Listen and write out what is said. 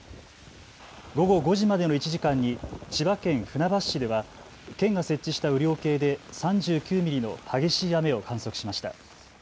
午後５時までの１時間に千葉県船橋市では県が設置した雨量計で３９ミリの激しい雨を観測しました。